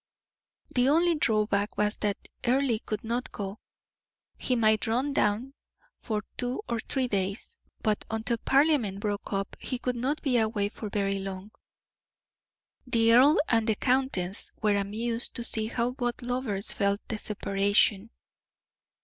The only drawback was that Earle could not go; he might run down for two or three days, but until Parliament broke up he could not be away for very long. The earl and countess were amused to see how both lovers felt the separation.